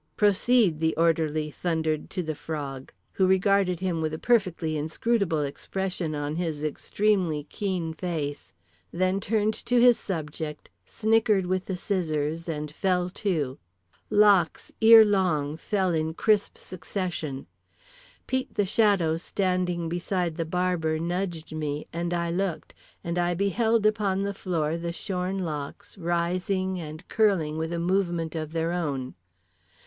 "Proceed," the orderly thundered to The Frog, who regarded him with a perfectly inscrutable expression on his extremely keen face, then turned to his subject, snickered with the scissors, and fell to. Locks ear long fell in crisp succession. Pete the Shadow, standing beside the barber, nudged me; and I looked; and I beheld upon the floor the shorn locks rising and curling with a movement of their own….